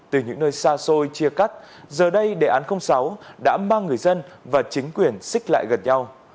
từ những nơi xa xôi chia cắt giờ đây đề án sáu đã mang người dân và chính quyền xích lại gần nhau